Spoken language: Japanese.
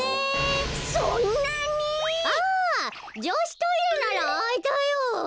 あじょしトイレならあいたよ。